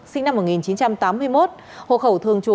sinh năm một nghìn chín trăm tám mươi một